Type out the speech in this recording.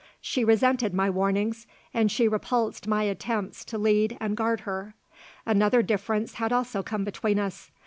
She resented my warnings and she repulsed my attempts to lead and guard her. Another difference had also come between us.